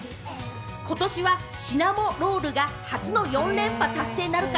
今年はシナモロールが初の４連覇達成なるか？